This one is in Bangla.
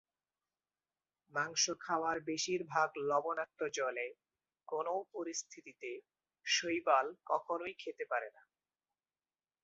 মাংস খাওয়ার বেশিরভাগ লবণাক্ত জলে কোনও পরিস্থিতিতে শৈবাল কখনই খেতে পারে না।